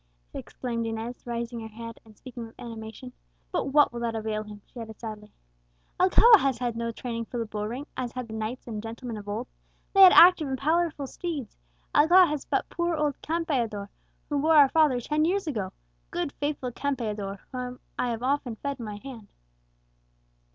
exclaimed Inez, raising her head, and speaking with animation. "But what will that avail him?" she added sadly. "Alcala has had no training for the bull ring, as had knights and gentlemen of old. They had active and powerful steeds; Alcala has but poor old Campeador, who bore our father ten years ago good faithful Campeador, whom I have often fed from my hand!"